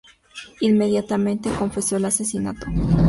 Inmediatamente confesó el asesinato.